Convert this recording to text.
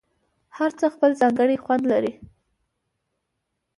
هر څه خپل ځانګړی خوند لري.